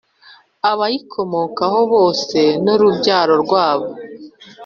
abayikomokaho bose n’urubyaro rwabo.